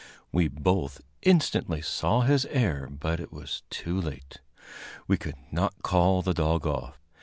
We both instantly saw his error, but it was too late we could not call the dog off.